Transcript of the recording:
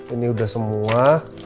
ini udah semua